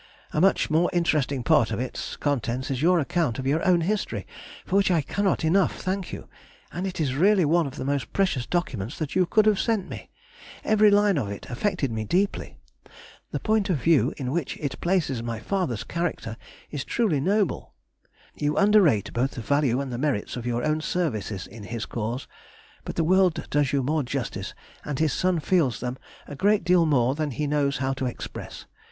A much more interesting part of its contents is your account of your own history, for which I cannot enough thank you, and it is really one of the most precious documents you could have sent me; every line of it affected me deeply. The point of view in which it places my father's character is truly noble. You underrate both the value and the merit of your own services in his cause, but the world does you more justice, and his son feels them a great deal more than he knows how to express.